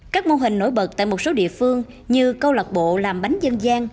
các mô hình nổi bật tại một số địa phương như câu lạc bộ làm bánh dân gian